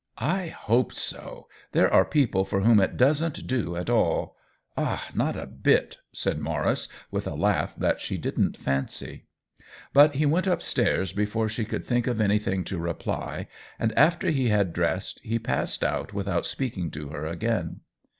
" I hope so ! There are people for whom it doesn't do at all ; ah, not a bit !" said Maurice, with a laugh that she didn't fancy. But he went up stairs before she could think of anything to reply, and after he had dress ed, he passed out without speaking to her again.